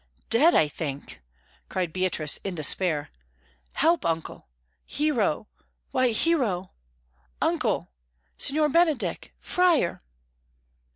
"Dead, I think," cried Beatrice in despair. "Help, uncle! Hero why, Hero! Uncle! Signor Benedick! Friar!"